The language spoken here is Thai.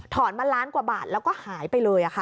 มาล้านกว่าบาทแล้วก็หายไปเลยค่ะ